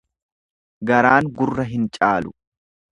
Garaan gurra hin caalu.